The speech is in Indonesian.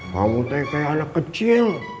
pak ustaz kayak anak kecil